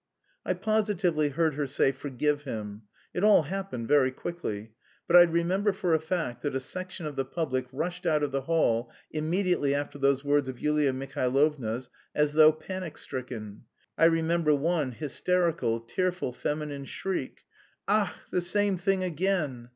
I positively heard her say "forgive him." It all happened very quickly. But I remember for a fact that a section of the public rushed out of the hall immediately after those words of Yulia Mihailovna's as though panic stricken. I remember one hysterical, tearful feminine shriek: "Ach, the same thing again!"